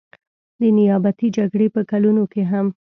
د نیابتي جګړې په کلونو کې هم.